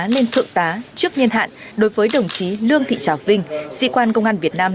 lên thượng tá trước nhiên hạn đối với đồng chí lương thị trào vinh sĩ quan công an việt nam